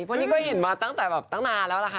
เพราะนี่ก็เห็นมาตั้งแต่แบบตั้งนานแล้วล่ะค่ะ